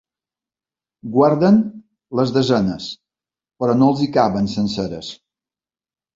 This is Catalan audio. Guarden les desenes, però no els hi caben senceres.